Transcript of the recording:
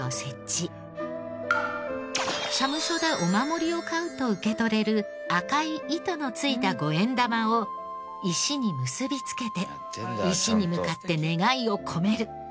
社務所でお守りを買うと受け取れる赤い糸のついた５円玉を石に結びつけて石に向かって願いを込める。